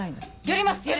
やります！